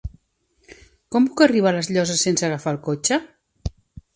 Com puc arribar a les Llosses sense agafar el cotxe?